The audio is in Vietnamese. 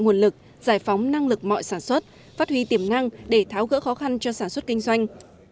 nguồn lực giải phóng năng lực mọi sản xuất phát huy tiềm năng để tháo gỡ khó khăn cho sản xuất kinh doanh